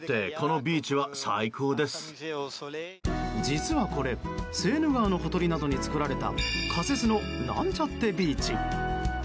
実はこれセーヌ川のほとりなどに作られた仮設のなんちゃってビーチ。